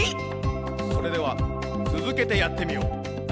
それではつづけてやってみよう！